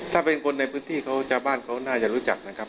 ถ้าเป็นคนในพื้นที่เขาชาวบ้านเขาน่าจะรู้จักนะครับ